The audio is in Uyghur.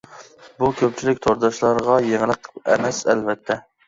بۇ كۆپچىلىك تورداشلارغا يېڭىلىق ئەمەس ئەلۋەتتە.